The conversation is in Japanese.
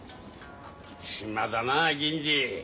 暇だな銀次。